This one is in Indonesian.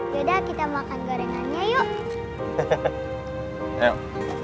yaudah kita makan gorengannya yuk